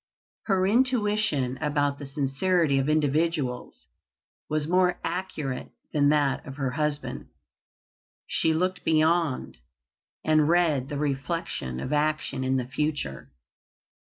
Her intuition about the sincerity of individuals was more accurate than that of her husband. She looked beyond, and read the reflection of action in the future.